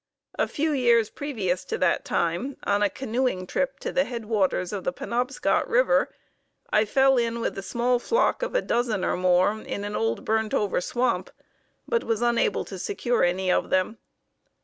A few years previous to that time, on a canoeing trip to the headwaters of the Penobscot River, I fell in with a small flock of a dozen or more in an old burnt over swamp, but was unable to secure any of them.